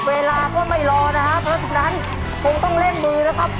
เวลาก็ไม่รอนะครับเพราะฉะนั้นคงต้องเร่งมือนะครับ